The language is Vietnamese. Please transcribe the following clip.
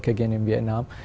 quay về việt nam